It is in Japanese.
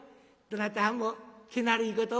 どなたはんもけなるいこと